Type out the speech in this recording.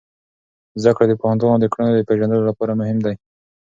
زده کړه د پوهاندانو د کړنو د پیژندلو لپاره مهم دی.